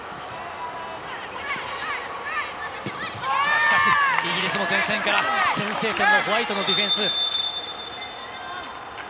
しかし、イギリスも前線からホワイトのディフェンス。